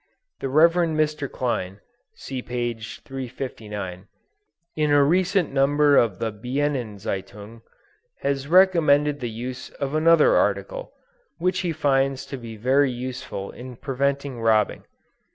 The Rev. Mr. Kleine, (see p. 359,) in a recent number of the Bienenzeitung, has recommended the use of another article, which he finds to be very useful in preventing robbing.